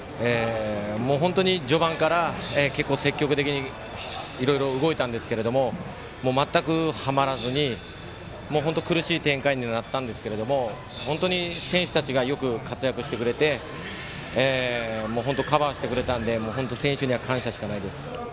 本当に序盤から結構、積極的にいろいろ動いたんですけど全く、はまらずに本当に苦しい展開にはなったんですが本当に選手たちがよく活躍をしてくれてカバーしてくれたので選手には感謝しかないです。